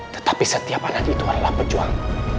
tetapi setiap anak itu adalah pejuang